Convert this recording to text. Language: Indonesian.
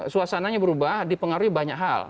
suasananya berubah dipengaruhi banyak hal